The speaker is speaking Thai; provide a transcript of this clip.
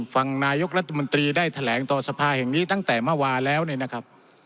ฟังนายกรัฐมนตรีได้แถลงต่อสภาแห่งนี้ตั้งแต่เมื่อวานแล้วเนี่ยนะครับ